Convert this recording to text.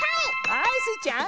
はいスイちゃん。